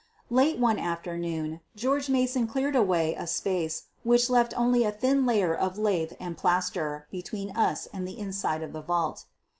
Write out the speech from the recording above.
Late one afternoon George Mason cleared away a space which left only a thin layer of lath and plaster between us and the inside of the vault.